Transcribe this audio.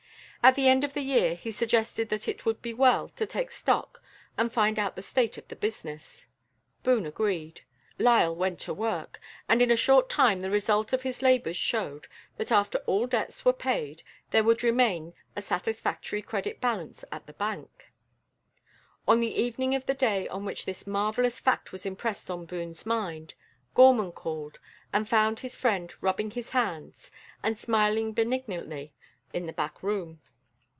At the end of the year he suggested that it would be well to take stock and find out the state of the business. Boone agreed. Lyall went to work, and in a short time the result of his labours showed, that after all debts were paid, there would remain a satisfactory credit balance at the bank. On the evening of the day on which this marvellous fact was impressed on Boone's mind, Gorman called, and found his friend rubbing his hands, and smiling benignantly in the back room.